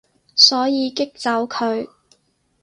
所以激走佢